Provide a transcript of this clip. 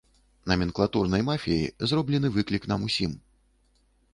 Наменклатурнай мафіяй зроблены выклік нам усім.